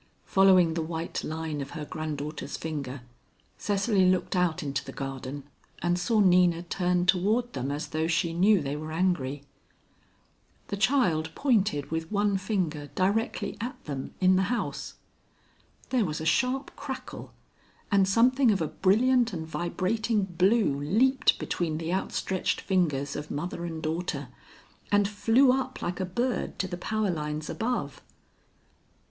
Following the white line of her granddaughter's finger, Cecily looked out into the garden and saw Nina turn toward them as though she knew they were angry. The child pointed with one finger directly at them in the house. There was a sharp crackle, and something of a brilliant and vibrating blue leaped between the out stretched fingers of mother and daughter, and flew up like a bird to the power lines above.